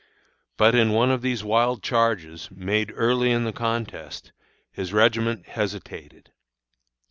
But in one of these wild charges, made early in the contest, his regiment hesitated.